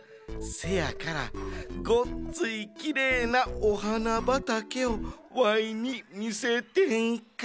せやからごっついきれいなお花ばたけをワイにみせてんか？